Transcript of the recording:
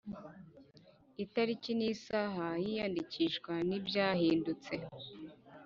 itariki n isaha y iyandikishwa ry ibyahindutse